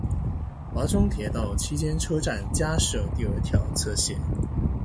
华中铁道期间车站加设第二条侧线。